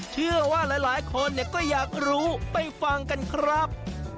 เชื่อว่าหลายคนก็อยากรู้ไปฟังกันครับ